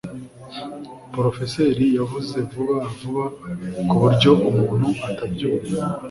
Porofeseri yavuze vuba vuba kuburyo umuntu atabyumva